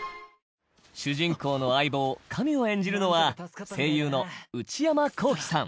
主人公の相棒カミュを演じるのは声優の内山昂輝さん